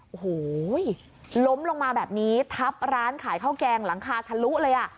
โอ้โหล้มลงมาแบบนี้ทับร้านขายข้าวแกงหลังคาทะลุเลยอ่ะ